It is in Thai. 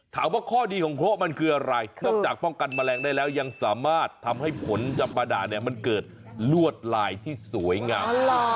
ถามว่าข้อดีของโครมันคืออะไรนอกจากป้องกันแมลงได้แล้วยังสามารถทำให้ผลจำประดาเนี่ยมันเกิดลวดลายที่สวยงาม